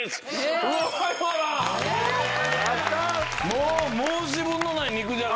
もう申し分のない肉じゃが。